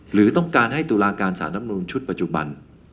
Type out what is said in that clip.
หรือต้องการให้ตุลาการสารน้ำนูนชุดปัจจุบัน